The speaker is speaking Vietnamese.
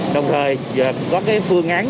đồng thời có cái phương án